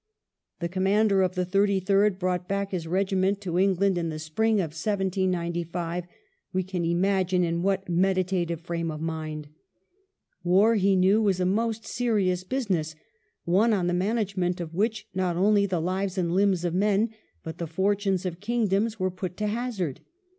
The commander of the Thirty third brought back his regiment to England in the spring of 1 795 ; we can imagine in what meditative frame of mind. War, he knew, was a most serious business, one on the management of which not only the lives and limbs of men, but the fortunes of kingdoms, were put to hazard.